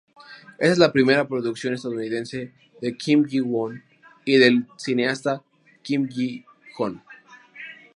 Esta es la primera producción estadounidense de Kim Ji-Woon y del cineasta Kim Ji-yong.